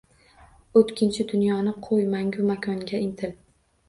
O‘tkinchi dunyoni qo‘y, mangu makonga intil.